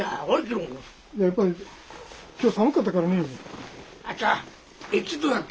やっぱり今日寒かったからね。